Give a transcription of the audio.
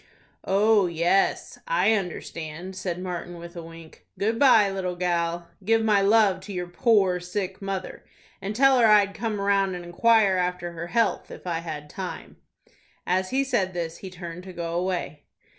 "Oh, yes, I understand," said Martin, with a wink. "Good by, little gal. Give my love to your poor sick mother, and tell her I'd come round and inquire after her health if I had time." As he said this he turned to go away.